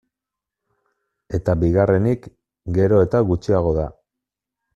Eta bigarrenik, gero eta gutxiago da.